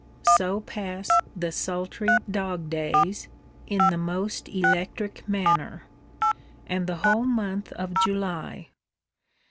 So pass the sultry dog days, in the most electric manner; and the whole month of July.